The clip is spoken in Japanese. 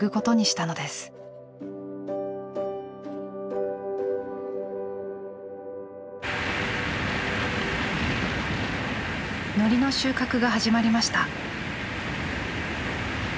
のりの収穫が始まりました。